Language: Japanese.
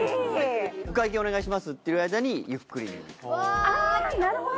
お会計お願いしますっていう間にゆっくり見る。